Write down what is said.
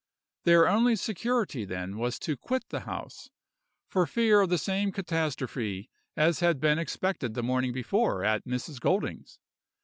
Their only security then was to quit the house, for fear of the same catastrophe as had been expected the morning before at Mrs. Golding's.